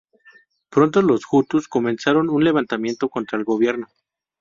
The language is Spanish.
Pronto los hutus comenzaron un levantamiento contra el gobierno.